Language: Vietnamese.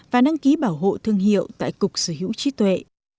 và đăng ký bảo hộ thương hiệu tại cục sở hữu trí tuệ